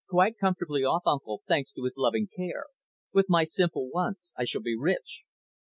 "Quite comfortably off, uncle, thanks to his loving care. With my simple wants, I shall be rich."